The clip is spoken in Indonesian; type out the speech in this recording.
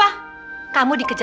apa tuh misalnya